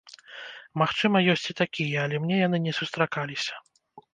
Магчыма, ёсць і такія, але мне яны не сустракаліся.